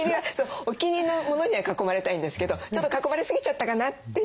お気に入りのモノには囲まれたいんですけどちょっと囲まれすぎちゃったかなっていうね。